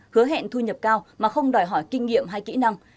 hứa hẹn thu nhập cao mà không đòi hỏi kinh nghiệm hay kỹ năng